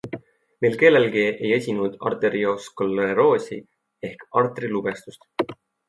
Neil kellelgi ei esinenud arterioskleroosi ehk arterilubjastust.